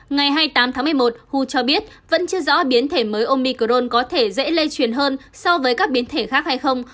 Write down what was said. ngày hai mươi tám tháng một mươi một hu cho biết vẫn chưa rõ biến thể mới omicrone có thể dễ lây truyền hơn so với các biến thể khác hay không